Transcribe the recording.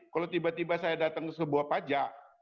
kalau tiba tiba saya datang ke sebuah pajak